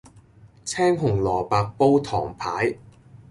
青紅蘿蔔煲唐排